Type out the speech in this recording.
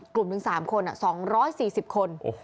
กลุ่มหนึ่ง๓คน๒๔๐คน